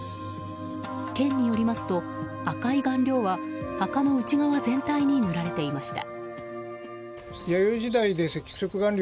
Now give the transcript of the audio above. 県によりますと赤い顔料は墓の内側全体に塗られていました。